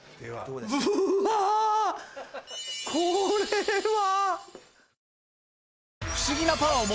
これは。